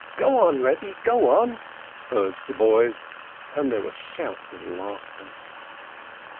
Go on, Rebbe, go on!" urged the boys, and there were shouts of laughter.